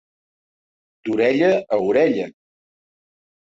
D'orella a orella.